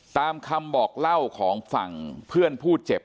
ตามคำบอกเล่าของฝั่งเพื่อนผู้เจ็บ